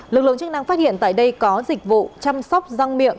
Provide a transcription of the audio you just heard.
lực lượng chức năng phát hiện tại đây có dịch vụ chăm sóc răng miệng